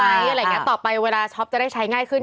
อะไรอย่างเงี้ต่อไปเวลาช็อปจะได้ใช้ง่ายขึ้น